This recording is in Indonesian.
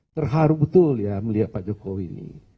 terharu betul ya melihat pak jokowi ini